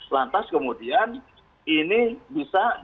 lantas kemudian ini bisa